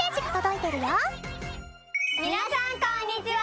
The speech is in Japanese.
皆さんこんにちは！